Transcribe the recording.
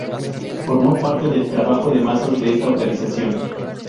Formó parte del trabajo de masas de esta organización.